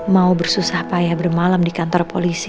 mau bersusah payah bermalam di kantor polisi